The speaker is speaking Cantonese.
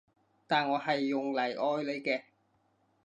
但我係用嚟愛你嘅